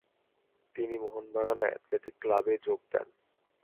তিনি মোহনবাগান অ্যাথলেটিক ক্লাবে যোগ দেন।